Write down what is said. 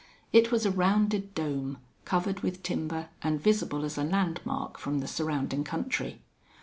It was a rounded dome, covered with timber and visible as a landmark from the surrounding country.